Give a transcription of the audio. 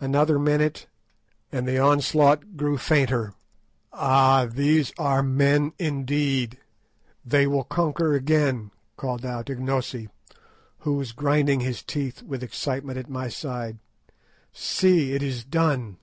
Another minute and the onslaught grew fainter. "Ah, these are men, indeed; they will conquer again," called out Ignosi, who was grinding his teeth with excitement at my side. "See, it is done!"